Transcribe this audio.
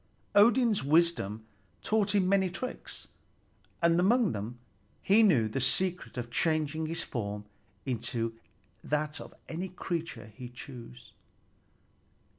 Odin's wisdom taught him many tricks, and among them he knew the secret of changing his form into that of any creature he chose.